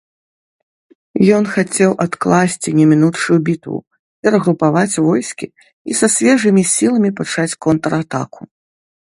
Ён хацеў адкласці немінучую бітву, перагрупаваць войскі і са свежымі сіламі пачаць контратаку.